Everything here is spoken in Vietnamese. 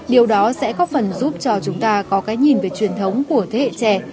điều đó sẽ có phần giúp cho chúng ta có cái nhìn về truyền thống của thế hệ trẻ